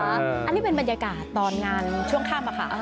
อันนี้เป็นบรรยากาศตอนงานช่วงค่ำค่ะ